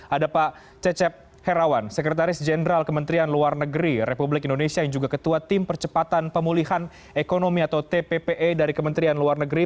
ada pak cecep herawan sekretaris jenderal kementerian luar negeri republik indonesia yang juga ketua tim percepatan pemulihan ekonomi atau tppe dari kementerian luar negeri